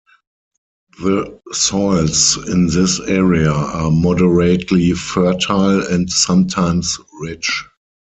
The soils in this area are moderately fertile and sometimes rich.